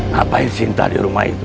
ngapain cinta di rumah itu